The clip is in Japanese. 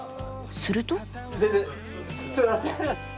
すると。